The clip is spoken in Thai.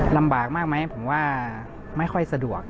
ลำบากมากไหมผมว่าไม่ค่อยสะดวก